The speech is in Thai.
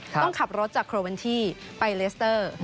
ต้องขับรถจากโครเวนที่ไปเลสเตอร์